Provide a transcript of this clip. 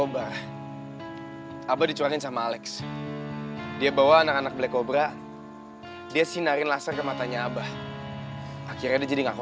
sampai jumpa di video selanjutnya